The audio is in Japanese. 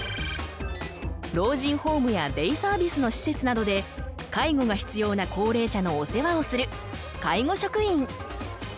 老人ホームやデイサービスの施設などで介護が必要な高齢者のお世話をする介護職員。